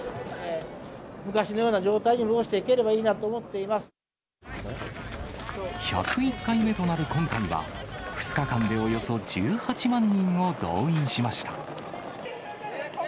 昔のような状態に戻していけ１０１回目となる今回は、２日間でおよそ１８万人を動員しました。